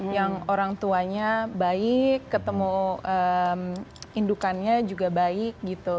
yang orang tuanya baik ketemu indukannya juga baik gitu